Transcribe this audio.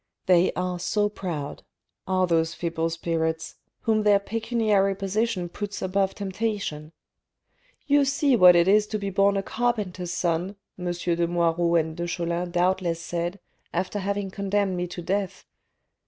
They are so proud, are those feeble spirits, whom their pecuniary position puts above temptation !' You see what it is to be born a carpenter's son,' M. de Moirod and de Cholin doubtless said after having condemned me to death